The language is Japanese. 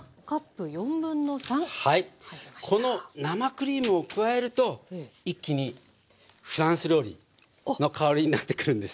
この生クリームを加えると一気にフランス料理の香りになってくるんです。